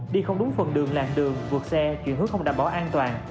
đi không đúng phần đường làng đường vượt xe chuyển hướng không đảm bảo an toàn